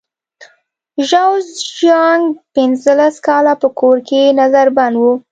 ژاو زیانګ پنځلس کاله په کور کې نظر بند و.